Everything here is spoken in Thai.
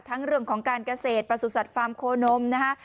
เรื่องของการเกษตรประสุทธิ์ฟาร์มโคนมนะฮะ